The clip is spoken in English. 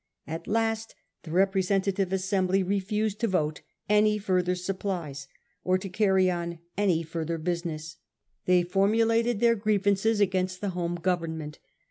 At last the representative assembly 1837. PAPINEAU AND THE REBELLION. 55 refused to vote any further supplies or to carry on any further business. They formulated their grie vances against the home Government.